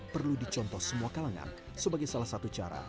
perlu dicontoh semua kalangan sebagai salah satu cara